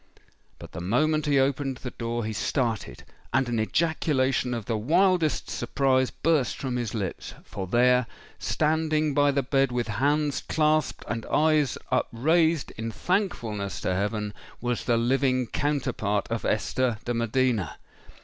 But the moment he opened the door, he started—and an ejaculation of the wildest surprise burst from his lips. For there—standing by the bed, with hands clasped and eyes upraised in thankfulness to heaven—was the living counterpart of Esther de Medina!